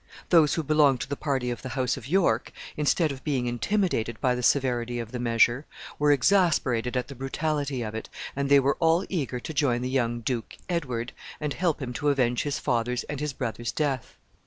Those who belonged to the party of the house of York, instead of being intimidated by the severity of the measure, were exasperated at the brutality of it, and they were all eager to join the young duke, Edward, and help him to avenge his father's and his brother's death.